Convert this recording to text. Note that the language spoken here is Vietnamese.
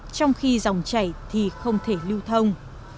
trong khi dòng chảy thì không thể lưu thông